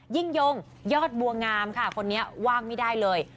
ยิ่งยงยอดบัวงามค่ะคนนี้ว่างไม่ได้เลย